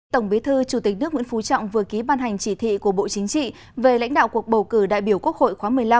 tổng bí thư chủ tịch nước nguyễn phú trọng vừa ký ban hành chỉ thị của bộ chính trị về lãnh đạo cuộc bầu cử đại biểu quốc hội khóa một mươi năm